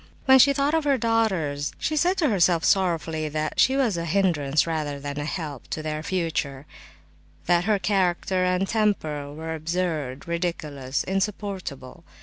When she thought of her daughters, she said to herself sorrowfully that she was a hindrance rather than a help to their future, that her character and temper were absurd, ridiculous, insupportable.